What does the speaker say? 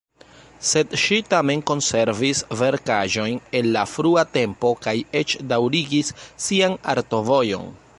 Sed ŝi tamen konservis verkaĵojn el la frua tempo kaj eĉ daŭrigis sian artovojon.